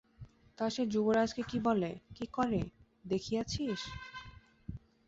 তা সে যুবরাজকে কী বলে, কী করে, দেখিয়াছিস?